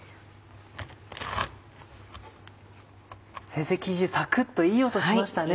先生生地サクっといい音しましたね。